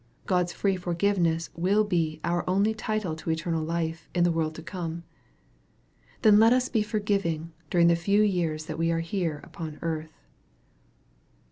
God's free for giveness will be our only title to eternal life in the world to come. Then let us be forgiving during the few years that we are here upon earth.